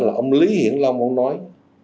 là ông lý hiển long ông nói